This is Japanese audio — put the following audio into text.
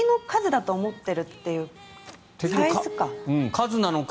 数なのか